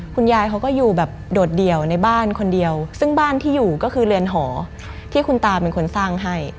คุณยายเขาก็อยู่แบบโดดเดี่ยวในบ้านคนเดียวซึ่งบ้านที่อยู่ก็คือเรือนหอที่คุณตาเป็นคนสร้างให้